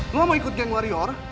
lo mau ikut geng warior